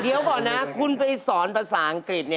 เดี๋ยวก่อนนะคุณไปสอนภาษาอังกฤษ